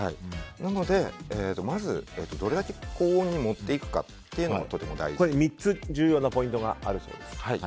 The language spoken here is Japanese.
なので、まずどれだけ高温に持っていくかが３つ、重要なポイントがあるそうです。